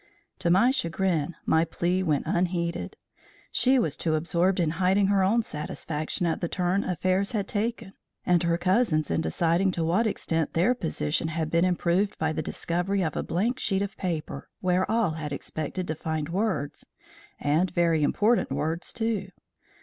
To my chagrin, my plea went unheeded: she was too absorbed in hiding her own satisfaction at the turn affairs had taken, and her cousins in deciding to what extent their position had been improved by the discovery of a blank sheet of paper where all had expected to find words, and very important words, too.